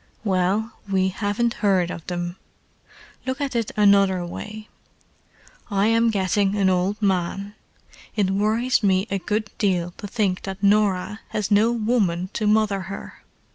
"Well, we haven't heard of them. Look at it another way. I am getting an old man; it worries me a good deal to think that Norah has no woman to mother her.